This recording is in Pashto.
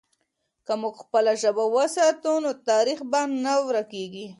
که موږ خپله ژبه وساتو، نو تاریخ به نه ورکېږي.